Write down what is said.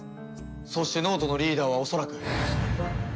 そして脳人のリーダーは恐らく。